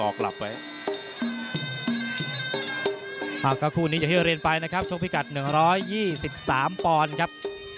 ก็คู่เนี้ยะที่ออร์แรนไปข้อคนชุมชอบพี่กัล๑๒๓ปรครับ